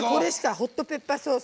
ホットペッパーソース